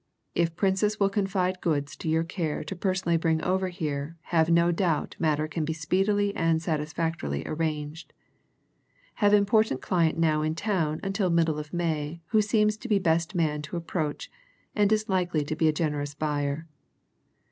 If Princess will confide goods to your care to personally bring over here have no doubt matter can be speedily and satisfactorily arranged. Have important client now in town until middle May who seems to be best man to approach and is likely to be a generous buyer.